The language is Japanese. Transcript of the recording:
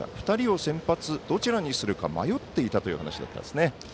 ２人を先発、どちらにするか迷っていたという話でしたね。